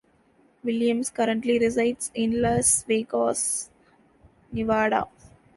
Williams currently resides in Las Vegas, Nevada.